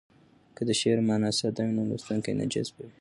که د شعر مانا ساده وي نو لوستونکی نه جذبوي.